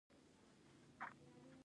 اقتصاد باید پیاوړی شي